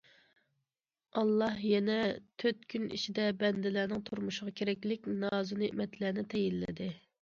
ئاللا يەنە تۆت كۈن ئىچىدە بەندىلەرنىڭ تۇرمۇشىغا كېرەكلىك نازۇنېمەتلەرنى تەيىنلىدى.